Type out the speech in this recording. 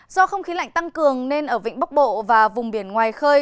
do không khí lạnh tăng cường nên ở vịnh bắc bộ và vùng biển ngoài khơi